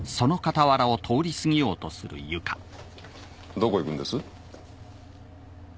どこへ行くんです？